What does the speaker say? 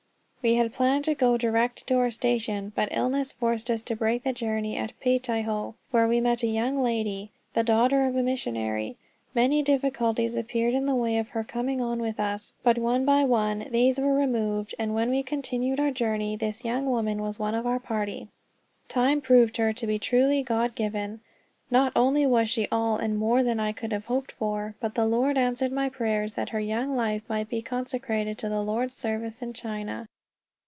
We had planned to go direct to our station, but illness forced us to break the journey at Peitaiho, where we met a young lady, the daughter of a missionary. Many difficulties appeared in the way of her coming on with us, but one by one these were removed; and when we continued our journey this young woman was one of our party. Time proved her to be truly God given. Not only was she all and more than I could have hoped for, but the Lord answered my prayers that her young life might be consecrated to the Lord's service in China.